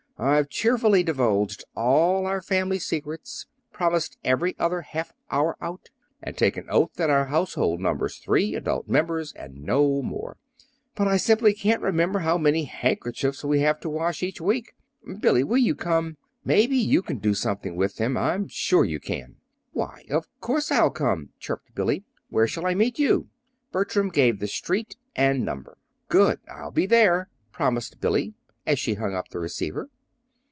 I've cheerfully divulged all our family secrets, promised every other half hour out, and taken oath that our household numbers three adult members, and no more; but I simply can't remember how many handkerchiefs we have in the wash each week. Billy, will you come? Maybe you can do something with them. I'm sure you can!" "Why, of course I'll come," chirped Billy. "Where shall I meet you?" Bertram gave the street and number. "Good! I'll be there," promised Billy, as she hung up the receiver.